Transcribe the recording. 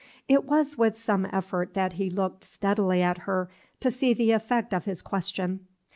It was with some effort that he looked steadily at her to see the effect of his question.